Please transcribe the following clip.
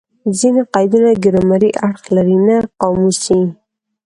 ځیني قیدونه ګرامري اړخ لري؛ نه قاموسي.